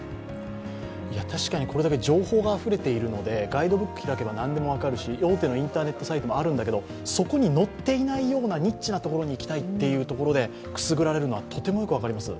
確かに、これだけ情報があふれているのでガイドブック開けば何でも分かるし大手のインターネットサイトもあるんだけどそこに載っていないようなニッチな所に行きたいとくすぐられるのは、とてもよく分かります。